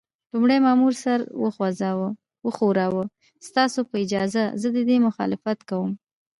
لومړي مامور سر وښوراوه: ستاسو په اجازه، زه د دې مخالفت کوم.